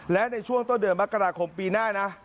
และในช่วงต้นเดือนมกราคมปีหน้านะ